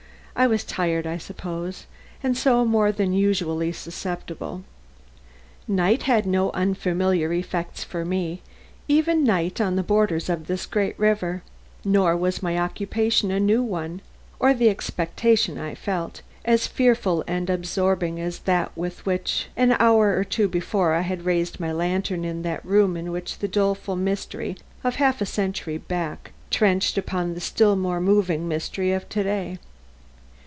I was tired, I suppose, and so more than usually susceptible. Night had no unfamiliar effects for me, even night on the borders of this great river; nor was my occupation a new one, or the expectation I felt, as fearful and absorbing as that with which an hour or two before I had raised my lantern in that room in which the doleful mystery of half a century back, trenched upon the still more moving mystery of to day.